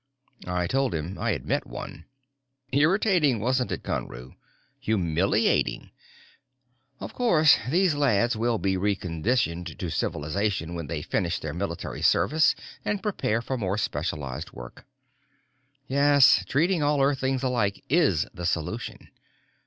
I told him I had met one. "Irritating, wasn't it, Conru? Humiliating. Of course, these lads will be reconditioned to civilization when they finish their military service and prepare for more specialized work. Yes, treating all Earthlings alike is the solution.